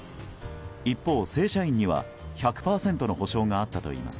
一方、正社員には１００％の補償があったといいます。